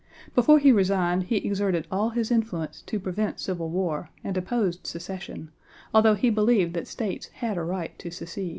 Before he resigned, he exerted all his influence to prevent Civil War and opposed secession, although he believed that States had a right to secede.